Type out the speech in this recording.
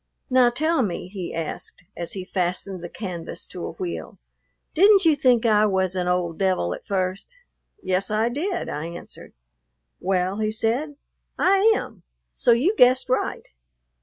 "Now, tell me," he asked, as he fastened the canvas to a wheel, "didn't you think I was an old devil at first?" "Yes, I did," I answered. "Well," he said, "I am; so you guessed right."